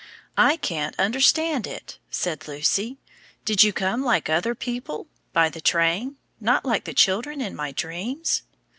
"I can't understand it!" said Lucy; "did you come like other people, by the train, not like the children in my dreams?"